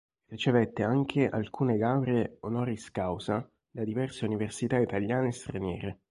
Ricevette anche alcune lauree "honoris causa" da diverse università italiane e straniere.